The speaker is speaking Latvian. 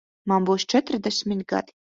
Man būs četrdesmit gadi.